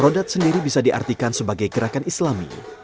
rodat sendiri bisa diartikan sebagai gerakan islami